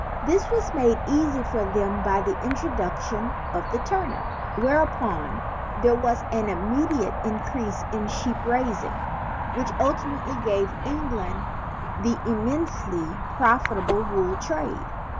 This was made easy for them by the introduction of the turnip. Whereupon there was an immediate increase in sheep raising, which ultimately gave England the immensely profitable wool trade.